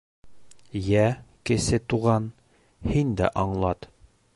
Йә, Кесе Туған, һин дә аңлат.